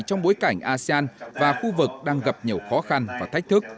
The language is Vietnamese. trong bối cảnh asean và khu vực đang gặp nhiều khó khăn và thách thức